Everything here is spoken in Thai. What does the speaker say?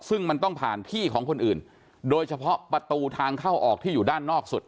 ซึ่งมันต้องผ่านที่ของคนอื่นโดยเฉพาะประตูทางเข้าออกที่อยู่ด้านนอกสุด